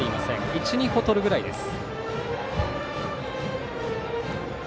１２歩とるぐらいです。